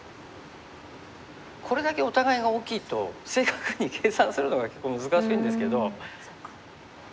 これだけお互いが大きいと正確に計算するのが結構難しいんですけど。